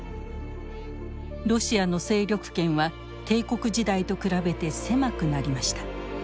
ロシアの勢力圏は帝国時代と比べて狭くなりました。